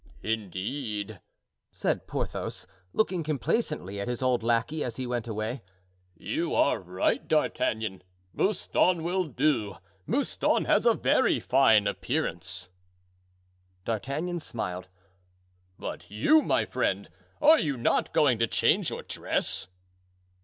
"Indeed," said Porthos, looking complacently at his old lackey as he went away, "you are right, D'Artagnan; Mouston will do; Mouston has a very fine appearance." D'Artagnan smiled. "But you, my friend—are you not going to change your dress?"